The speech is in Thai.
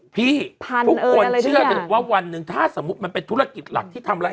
ทุกคนเชื่อกันว่าวันหนึ่งถ้าสมมุติมันเป็นธุรกิจหลักที่ทำร้าย